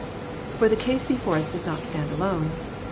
For the case before us does not stand alone.